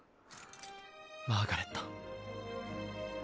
マーガレット。